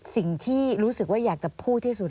สิ่งที่รู้สึกว่าอยากจะพูดที่สุด